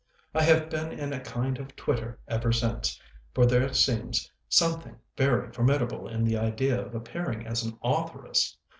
I have been in a kind of twitter ever since, for there seems something very formidable in the idea of appearing as an authoress!